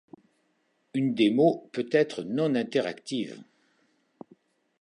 Une démo peut être non interactive.